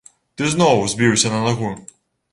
Ты зноў узбіўся на нагу!